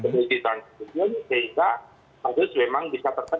jadi transmisi sehingga virus memang bisa tertekan